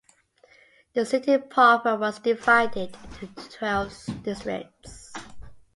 The city proper was divided into twelve districts.